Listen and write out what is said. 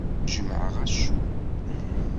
Ur jemmɛeɣ acemma.